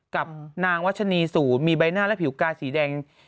กับนางวัชนีศูนย์มีใบหน้าและผิวกาสีแดง